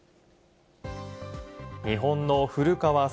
日本の古川聡